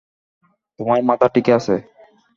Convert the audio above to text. তোমার মাথা ঠিক আছে?